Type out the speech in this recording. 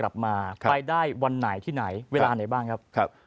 กลับมาไปได้วันไหนที่ไหนเวลาไหนบ้างครับ